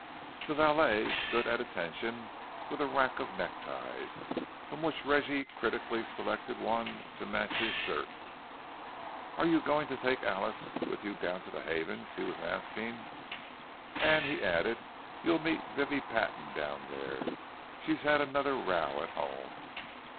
The valet stood at attention with a rack of neckties, from which Reggie critically selected one to match his shirt. "Are you going to take Alice with you down to the Havens's?" he was asking; and he added, "You'll meet Vivie Patton down there—she's had another row at home."